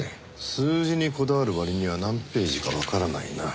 数字にこだわる割には何ページかわからないな。